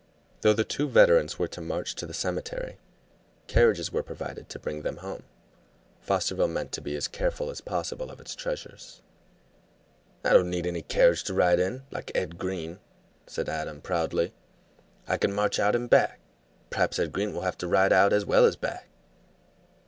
Though the two veterans were to march to the cemetery, carriages were provided to bring them home. Fosterville meant to be as careful as possible of its treasures. "I don't need any carriage to ride in, like Ed Green," said Adam proudly. "I could march out and back. Perhaps Ed Green will have to ride out as well as back."